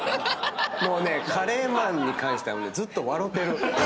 もうねカレーマンに関してはずっと笑うてる。